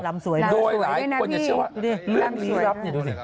ด้วยหลายคนจะเชื่อว่าเรื่องนี้รับ